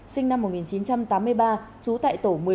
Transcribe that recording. sinh năm một nghìn chín trăm tám mươi ba trú tại tổ một mươi năm